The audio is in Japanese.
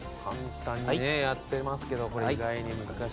簡単にねやってますけどこれ意外に難しい。